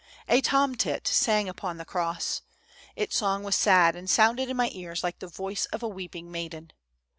" A tom tit sang upon the cross. Its song was sad and sounded in my ears like the voice of a weeping maiden.